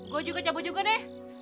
gue juga cabut juga nih